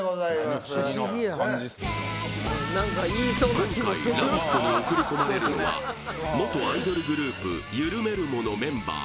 今回「ラヴィット！」に送り込まれるのは元アイドルグループゆるめるモ！のメンバー